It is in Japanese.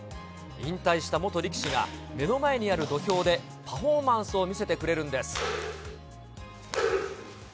引退した元力士が目の前にある土俵でパフォーマンスを見せてくれるんです。